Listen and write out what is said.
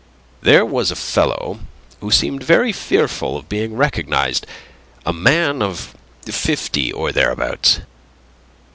"There was a fellow who seemed very fearful of being recognized ... a man of fifty or thereabouts..."